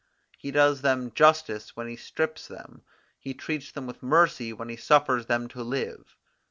He does them justice when he strips them; he treats them with mercy when he suffers them to live.